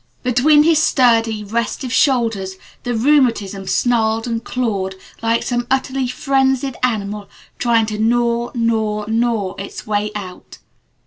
Between his sturdy, restive shoulders the rheumatism snarled and clawed like some utterly frenzied animal trying to gnaw gnaw gnaw its way out.